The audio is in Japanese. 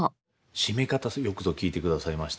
締め方よくぞ聞いてくださいました。